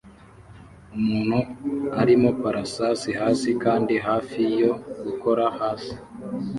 Umuntu arimo paraşasi hasi kandi hafi yo gukora hasi